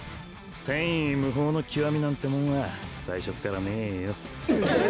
天衣無縫の極みなんてもんは最初っからねえよ。えっ！？